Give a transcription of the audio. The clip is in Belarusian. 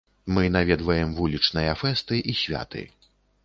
Мы наведваем вулічныя фэсты і святы.